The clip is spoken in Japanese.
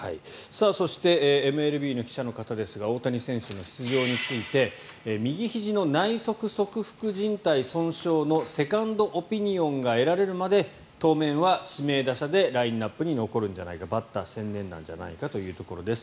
そして、ＭＬＢの記者の方ですが大谷選手の出場について右ひじの内側側副じん帯損傷のセカンドオピニオンが得られるまで当面は指名打者でラインナップに残るんじゃないかバッター専念なんじゃないかというところです。